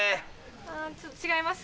ちょっと違います。